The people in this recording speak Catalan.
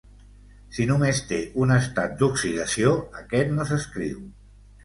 Si només té un estat d'oxidació, aquest no s'escriu.